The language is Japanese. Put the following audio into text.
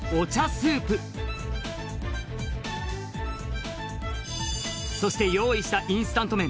スープそして用意したインスタント麺